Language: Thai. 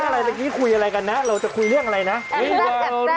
อะไรเมื่อกี้คุยอะไรกันนะเราจะคุยเรื่องอะไรนะ